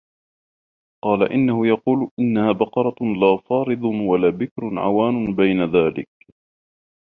قَالَ إِنَّهُ يَقُولُ إِنَّهَا بَقَرَةٌ لَا فَارِضٌ وَلَا بِكْرٌ عَوَانٌ بَيْنَ ذَٰلِكَ ۖ